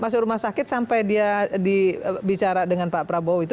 masuk rumah sakit sampai dia dibicara dengan pak prabowo itu